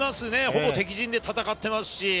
ほぼ敵陣で戦っています。